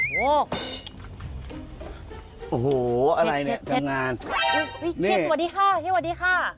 โอ้โฮอะไรนี่ทำงานนี่